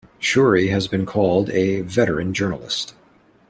Shourie has been called a "veteran journalist".